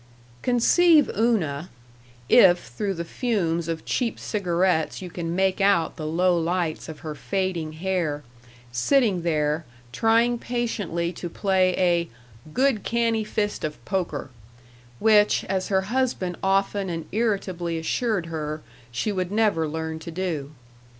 Conceive Una if through the fumes of cheap cigarettes you can make out the low lights of her fading hair sitting there, trying patiently to play a "good, canny fist of poker" which, as her husband often and irritably assured her, she would never learn to do.